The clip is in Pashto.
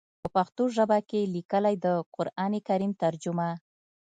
پۀ پښتو ژبه کښې ليکلی د قران کريم ترجمه